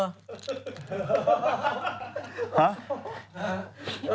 ยกสดอย่างไวไปหลายขวด